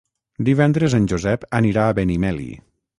Divendres en Josep anirà a Benimeli.